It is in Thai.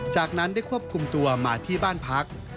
จากนั้นได้ควบคุมตัวมาที่บ้านพัก